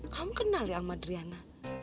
kamu kenal ya sama driana